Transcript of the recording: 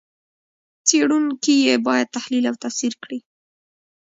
څېړونکي یې باید تحلیل او تفسیر کړي.